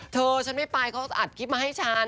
เธอฉันไม่ไปเขาอัดคลิปมาให้ฉัน